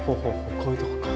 こういうとこか。